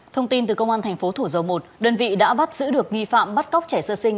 thông tin từ công an thành phố thủ dầu một đơn vị đã bắt giữ được nghi phạm bắt cóc trẻ sơ sinh